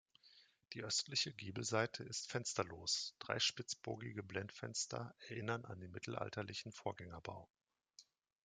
Die östliche Giebelseite ist fensterlos; drei spitzbogige Blendfenster erinnern an den mittelalterlichen Vorgängerbau.